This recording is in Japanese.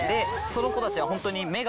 そのコたちはホントに。